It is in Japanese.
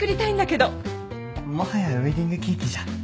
もはやウエディングケーキじゃ？